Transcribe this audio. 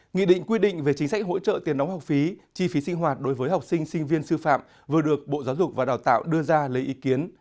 nghị định quy định về chính sách hỗ trợ tiền đóng học phí chi phí sinh hoạt đối với học sinh sinh viên sư phạm vừa được bộ giáo dục và đào tạo đưa ra lấy ý kiến